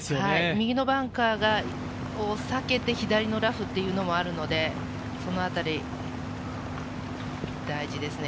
右のバンカーを避けて左のラフっていうのもあるので、そのあたり大事ですね。